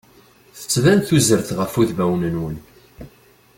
Tettban tuzert ɣef udmawen-nwen.